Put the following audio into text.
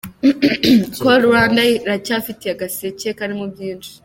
Call Rwanda iracyabafitiye agaseke karimo byinshi.